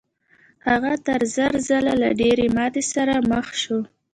هغه تر زر ځله له ډېرې ماتې سره مخ شو.